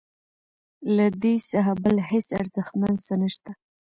ددې څخه بل هیڅ ارزښتمن څه نشته.